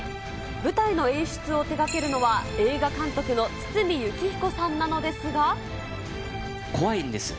舞台の演出を手がけるのは、怖いんです。